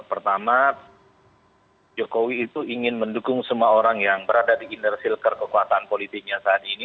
pertama jokowi itu ingin mendukung semua orang yang berada di inner cilker kekuatan politiknya saat ini